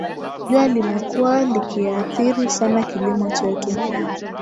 Jua limekuwa likiathiri sana kilimo chetu